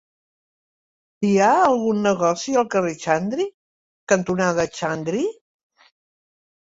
Hi ha algun negoci al carrer Xandri cantonada Xandri?